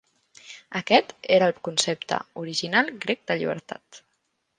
Aquest era el concepte original grec de llibertat.